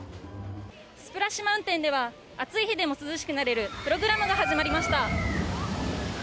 スプラッシュ・マウンテンでは暑い日でも涼しくなれるプログラムが始まりました。